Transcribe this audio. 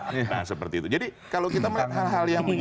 nah seperti itu jadi kalau kita melihat hal hal yang